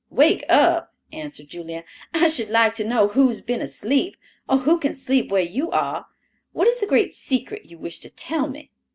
"Wake up!" answered Julia. "I should like to know who's been asleep, or who can sleep where you are? What is the great secret you wish to tell me?"